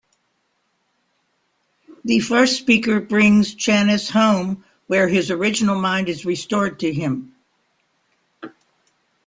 The First Speaker brings Channis "home", where his "original" mind is restored to him.